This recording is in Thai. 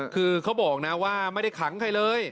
คือเขาบอกนะว่าไม่ได้ขังใครเลย